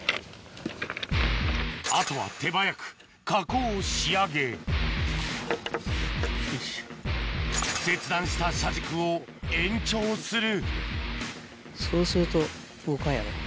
あとは手早く加工を仕上げ切断した車軸を延長するそうすると動かんやろ。